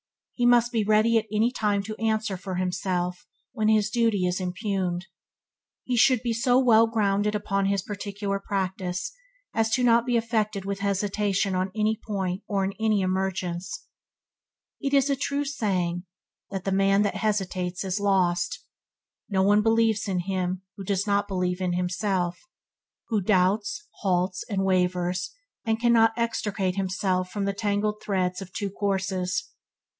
he must be ready at any time to answer for himself when his duty is impugned. He should be so well grounded upon his particular practice as not to be affected with hesitation on any point or in any emergence. It is a true saying that "the man that hesitates is lost". No one believes in him who does not believe in himself, who doubts, halts, and wavers, and cannot extricate himself from the tangled threads of two courses.